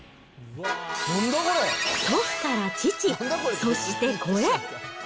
祖父から父、そして子へ。